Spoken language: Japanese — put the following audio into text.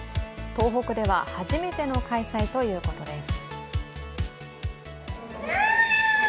東北では初めての開催ということです。